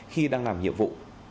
khi đang làm nhiệm vụ